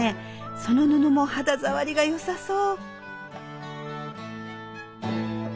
その布も肌触りがよさそう。